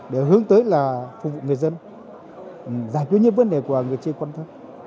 đều hướng tới là phục vụ người dân giải quyết những vấn đề của người chi quan thân